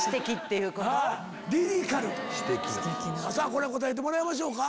これ答えてもらいましょうか。